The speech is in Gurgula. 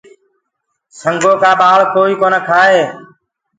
سنگو ڪآ ٻآݪ ڪوئي ڪونآ کآئي۔